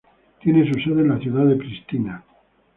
Tiene su sede en la ciudad de Pristina.